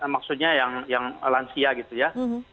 maksudnya yang lansia gitu ya